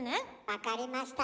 分かりました